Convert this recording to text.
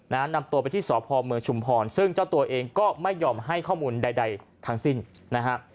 นำตัวไปที่สพเมืองชุมพรซึ่งเจ้าตัวเองก็ไม่ยอมให้ข้อมูลใดใดทั้งสิ้นนะฮะ